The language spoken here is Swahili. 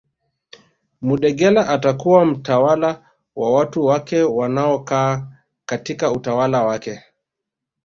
Mudegela atakuwa mtawala wa watu wake wanaokaa katika utawala wake